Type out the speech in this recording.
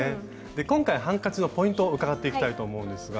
今回ハンカチのポイントを伺っていきたいと思うんですが。